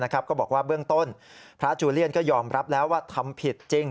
ก็บอกว่าเบื้องต้นพระจูเลียนก็ยอมรับแล้วว่าทำผิดจริง